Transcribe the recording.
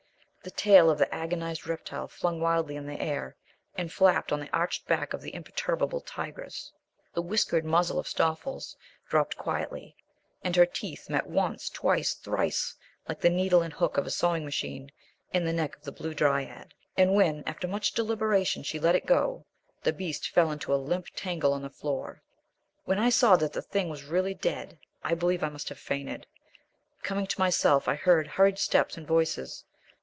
The tail of the agonized reptile flung wildly in the air and flapped on the arched back of the imperturbable tigress. The whiskered muzzle of Stoffles dropped quietly, and her teeth met once, twice, thrice, like the needle and hook of a sewing machine, in the neck of the Blue Dryad; and when, after much deliberation, she let it go, the beast fell into a limp tangle on the floor. When I saw that the thing was really dead I believe I must have fainted. Coming to myself, I heard hurried steps and voices.